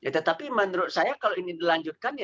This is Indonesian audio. tetapi menurut saya kalau ini dilanjutkan ya